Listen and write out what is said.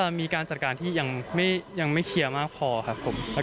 มีการจัดการที่ยังไม่เคลียร์มากพอครับผม